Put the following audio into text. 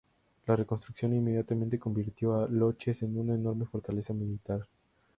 La reconstrucción inmediatamente convirtió a Loches en una enorme fortaleza militar.